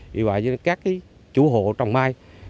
vì vậy các cái chủ hộ trồng mai